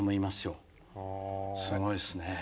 すごいっすね。